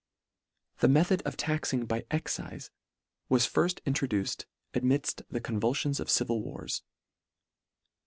The method of taxing by excife was firft introduced amidff the convulfions of civil wars.